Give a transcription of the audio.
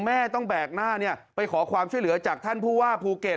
แม่ต้องแบกหน้าไปขอความช่วยเหลือจากท่านผู้ว่าภูเก็ต